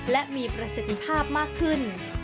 และมีประสิทธิภาพมากขึ้น